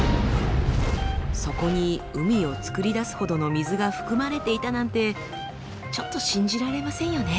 そこに海をつくり出すほどの水が含まれていたなんてちょっと信じられませんよね。